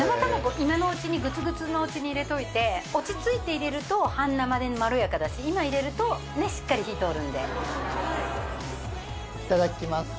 今のうちにグツグツのうちに入れといて落ち着いて入れると半生でまろやかだし今入れるとねっしっかり火ぃ通るんでいただきます